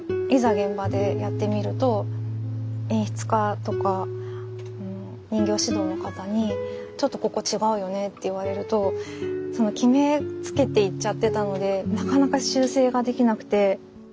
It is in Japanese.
現場でやってみると演出家とか人形指導の方に「ちょっとここ違うよね」って言われると決めつけて行っちゃってたのでなかなか修正ができなくて。